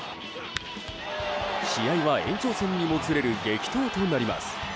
試合は延長戦にもつれる激闘となります。